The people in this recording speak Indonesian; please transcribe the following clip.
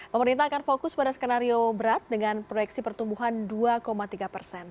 pemerintah akan fokus pada skenario berat dengan proyeksi pertumbuhan dua tiga persen